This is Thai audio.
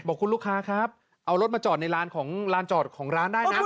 บอกคุณลูกค้าครับเอารถมาจอดในร้านของลานจอดของร้านได้นะ